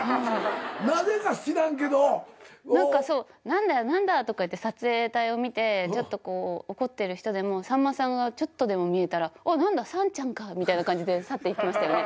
「何だよ何だ」とか言って撮影隊を見てちょっとこう怒ってる人でもさんまさんがちょっとでも見えたら「あっ何ださんちゃんか」みたいな感じで去っていってましたよね。